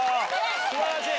素晴らしい！